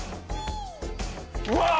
うわっ！